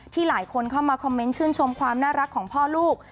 หลายคนเข้ามาคอมเมนต์ชื่นชมความน่ารักของพ่อลูก